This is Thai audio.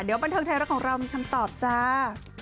เดี๋ยวบันเทิงไทยรัฐของเรามีคำตอบจ้า